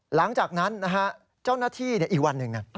หลังจากนั้นนะฮะเจ้าหน้าที่อีกวันหนึ่ง